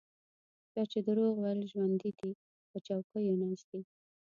چا چې دروغ ویل ژوندي دي په چوکیو ناست دي.